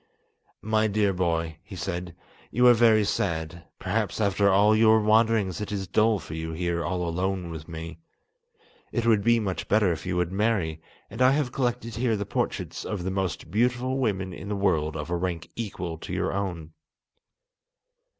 "My dear boy," he said, "you are very sad; perhaps after all your wanderings it is dull for you here all alone with me. It would be much better if you would marry, and I have collected here the portraits of the most beautiful women in the world of a rank equal to your own.